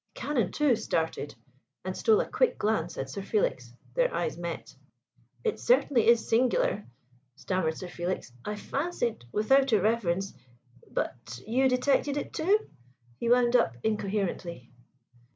The Canon, too, started, and stole a quick glance at Sir Felix: their eyes met. "It certainly is singular" stammered Sir Felix. "I fancied without irreverence But you detected it too?" he wound up incoherently.